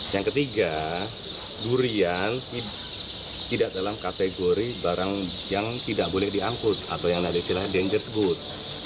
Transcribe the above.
yang ketiga durian tidak dalam kategori barang yang tidak boleh diangkut atau yang nilai silah dangerous good